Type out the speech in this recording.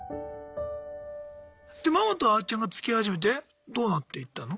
でママとあーちゃんがつきあい始めてどうなっていったの？